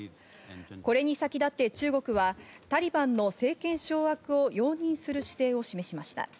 これに先立って、中国はタリバンの政権掌握を容認する姿勢を示しました。